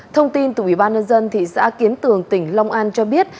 thông tin từ ủy ban nhân dân thị xã kiến tường tỉnh long an cho biết